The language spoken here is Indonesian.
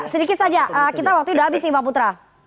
sedikit saja kita waktu sudah habis nih mbak putra